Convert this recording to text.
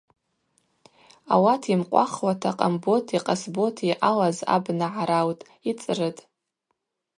Ауат йымкъвахуата Къамботи Къасботи ъалаз абна гӏараутӏ, йцӏрытӏ.